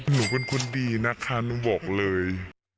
หนูเป็นคนดีนะคะหนูบอกเลย